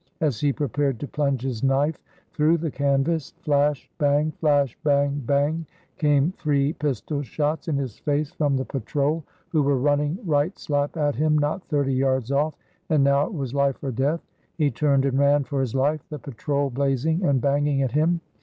As he prepared to plunge his knife through the canvas, flash bang! flash bang! bang! came three pistol shots in his face from the patrol, who were running right slap at him not thirty yards off, and now it was life or death. He turned and ran for his life, the patrol blazing and banging at him.